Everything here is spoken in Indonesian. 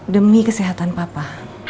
demi kesehatan papa